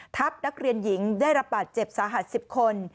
นักเรียนหญิงได้รับบาดเจ็บสาหัส๑๐คน